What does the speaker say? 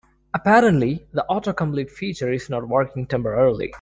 Apparently, the autocomplete feature is not working temporarily.